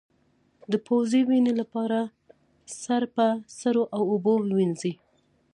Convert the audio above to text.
د پوزې وینې لپاره سر په سړو اوبو ووینځئ